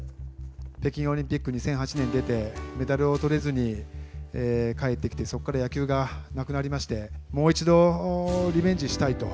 北京オリンピック２００８年に出てメダルを取れずに帰ってきてそこから野球がなくなりましてもう一度リベンジしたいと。